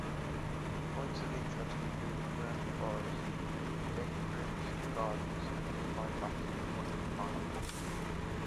Points of interest include the Grand Forest, Bainbridge Gardens, and nearby Battle Point Park.